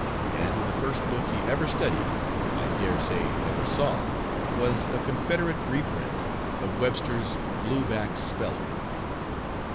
And the first book he ever studied I dare say ever saw was a confederate reprint of Webster's "Blueback Speller."